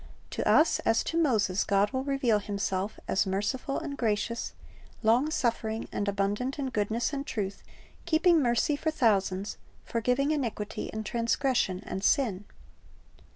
To us, as to Moses, God will reveal Himself as "merciful and gracious, long suffering, and abundant in goodness and truth, keeping mercy for thousands, forgiving iniquity and transgression and sin."''